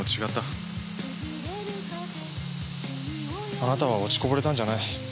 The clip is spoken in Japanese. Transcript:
あなたは落ちこぼれたんじゃない。